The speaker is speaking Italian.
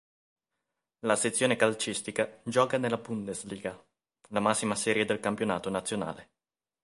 La sezione calcistica gioca nella Bundesliga, la massima serie del campionato nazionale.